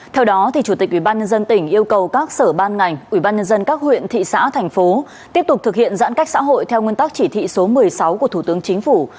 theo đó chủ tịch ubnd tỉnh yêu cầu các sở ban ngành ubnd các huyện thị xã thành phố tiếp tục thực hiện giãn cách xã hội theo nguyên tắc chỉ thị số một mươi sáu của thủ tướng chính phủ